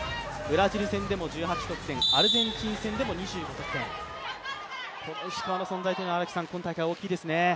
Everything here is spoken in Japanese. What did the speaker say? ブラジル戦でも１８得点アルゼンチン戦でも２５得点、この石川の存在は大きいですね。